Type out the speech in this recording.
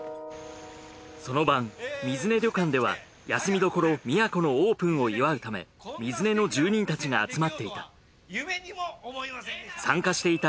その晩水根旅館では休みどころみやこのオープンを祝うため水根の住人たちが集まっていた夢にも思いませんでした！